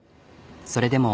それでも。